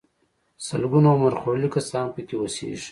سلګونه عمر خوړلي کسان پکې اوسيږي.